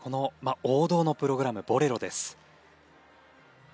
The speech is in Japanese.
王道のプログラム『ボレロ』です。